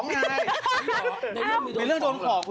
ที่เคยให้ไปจริงจักร